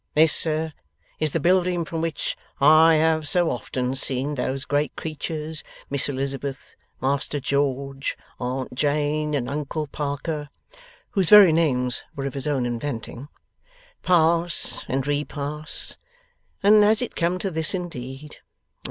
This, sir, is the building from which I have so often seen those great creatures, Miss Elizabeth, Master George, Aunt Jane, and Uncle Parker' whose very names were of his own inventing 'pass and repass! And has it come to this, indeed!